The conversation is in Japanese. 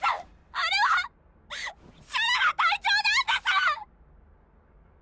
あれはシャララ隊長なんです！